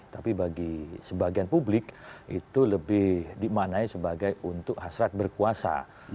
tapi bagi sebagian publik itu lebih dimanai sebagai untuk hasrat berkuasa